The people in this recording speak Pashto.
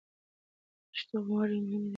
رغښتواله یوه مهمه ادبي اصطلاح ده.